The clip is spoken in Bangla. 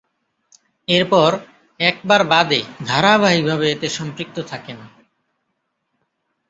এরপর একবার বাদে ধারাবাহিকভাবে এতে সম্পৃক্ত থাকেন।